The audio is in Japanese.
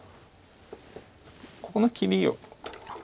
ここの切りを。